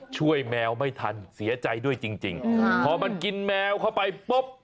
แมวไม่ทันเสียใจด้วยจริงจริงพอมันกินแมวเข้าไปปุ๊บ